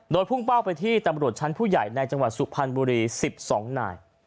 โดยพุ่งเป้าไปที่ตำรวจชั้นผู้ใหญ่ในจังหวัดสุพรรณบุรี๑๒นาย